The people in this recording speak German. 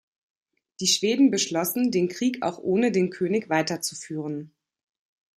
Die Schweden beschlossen, den Krieg auch ohne den König weiterzuführen.